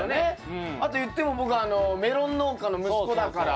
あと言っても僕メロン農家の息子だから。